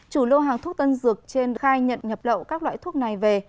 chủ lô hàng thuốc tân dược trên khai nhận nhập lậu các loại thuốc này về